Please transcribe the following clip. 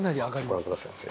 ご覧くださいませ。